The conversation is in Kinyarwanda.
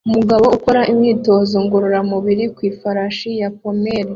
Umugabo ukora imyitozo ngororamubiri ku ifarashi ya pommel